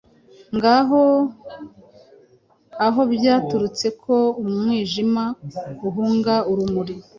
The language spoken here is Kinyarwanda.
Ngaho aho byaturutse ko umwijima uhunga urumuri.